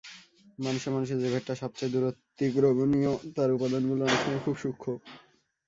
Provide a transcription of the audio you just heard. মানুষে মানুষে যে ভেদটা সব চেয়ে দুরতিক্রমণীয়, তার উপাদানগুলো অনেক সময়ে খুব সূক্ষ্ম।